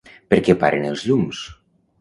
Per què paren els llums?